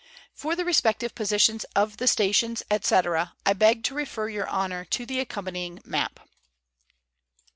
For the respective positions of the stations, &c., I beg to refer Your Honour to the accompanying map.